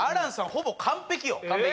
ほぼ完璧よ完璧？